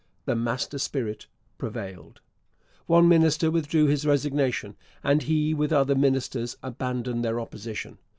The master spirit prevailed. One minister withdrew his resignation, and he with other ministers abandoned their opposition.